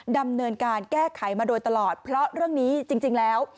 ดำเนินการแก้ไขมาโดยตลอดเพราะเรื่องนี้จริงแล้ว